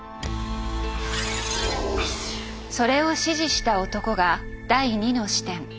それを指示した男が第２の視点。